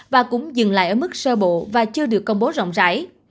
và cũng dừng lại ở mức sơ bộ và chưa được công bố rộng rãi